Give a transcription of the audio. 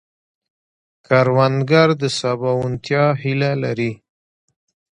کروندګر د سباوونتیا هیله لري